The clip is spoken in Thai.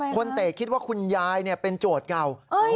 เตะคิดว่าคุณยายเป็นโจทย์เก่า